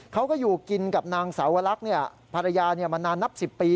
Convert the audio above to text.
เขาก็อยู่กินกับนางสาวลักษณ์ภรรยามานานนับ๑๐ปี